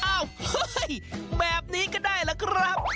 อ้าวแบบนี้ก็ได้ละครับ